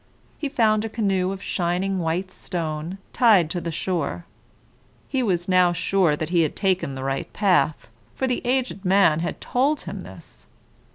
He found a canoe of shining white stone, tied to the shore. He was now sure that he had taken the right path, for the aged man had told him this.